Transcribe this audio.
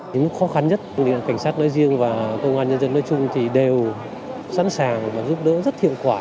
những khó khăn nhất cảnh sát nói riêng và công an nhân dân nói chung thì đều sẵn sàng và giúp đỡ rất thiện quả